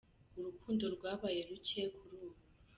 Urikundo rwabaye ruke kuri ubu.